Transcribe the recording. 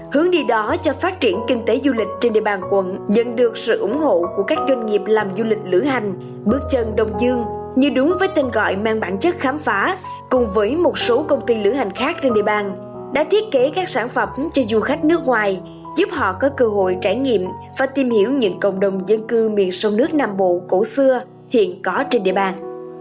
hướng đi đó cho phát triển kinh tế du lịch trên địa bàn quận dẫn được sự ủng hộ của các doanh nghiệp làm du lịch lửa hành bước chân đông dương như đúng với tên gọi mang bản chất khám phá cùng với một số công ty lửa hành khác trên địa bàn đã thiết kế các sản phẩm cho du khách nước ngoài giúp họ có cơ hội trải nghiệm và tìm hiểu những cộng đồng dân cư miền sông nước nam bộ cổ xưa hiện có trên địa bàn